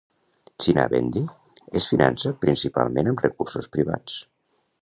China Bandy es finança principalment amb recursos privats.